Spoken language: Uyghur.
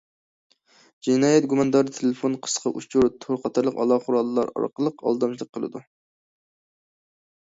جىنايەت گۇماندارى تېلېفون، قىسقا ئۇچۇر، تور قاتارلىق ئالاقە قوراللىرى ئارقىلىق ئالدامچىلىق قىلىدۇ.